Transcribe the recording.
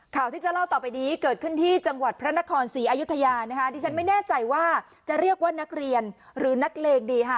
ข่าวที่จะเล่าต่อไปนี้เกิดขึ้นที่จังหวัดพระนครศรีอยุธยานะคะดิฉันไม่แน่ใจว่าจะเรียกว่านักเรียนหรือนักเลงดีค่ะ